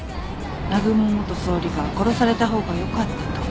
南雲元総理が殺された方がよかったと？